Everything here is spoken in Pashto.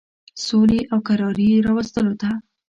سولي او کراري راوستلو ته.